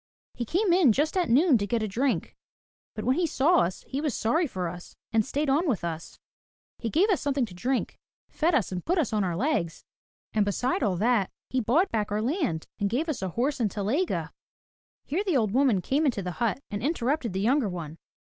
He came in just at noon to get a drink. But when he saw us, he was sorry for us, and staid on with us. He gave us some thing to drink, fed us and put us on our legs. And beside all that, he bought back our land and gave us a horse and telyega." Here the old woman came into the hut and interrupted the younger one.